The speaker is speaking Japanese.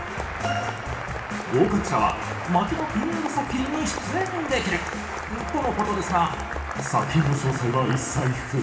合格者は町のＰＲ作品に出演できるとのことですが作品の詳細は一切不明。